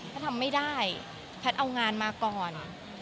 ถ้าทำไม่ได้แพทย์เอางานมาก่อน